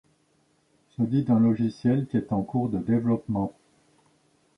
Se dit d'un logiciel qui est en cours de développement.